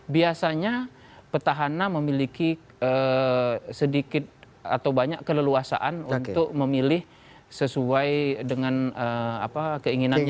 biasanya petahana memiliki sedikit atau banyak keleluasaan untuk memilih sesuai dengan keinginannya